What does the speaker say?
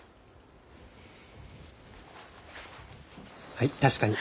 はい確かに。